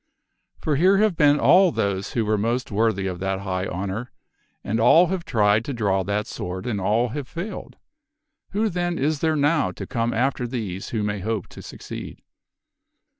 For here have been all those who were most worthy of that high honor, and all have tried to draw that sword and all have failed. Who then is there now to come after these who may hope to succeed?"